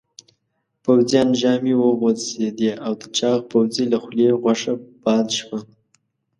پوځيانو ژامې وخوځېدې او د چاغ پوځي له خولې غوښه باد شوه.